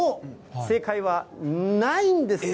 正解はないんですよ。